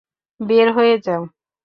বের হয়ে যাও!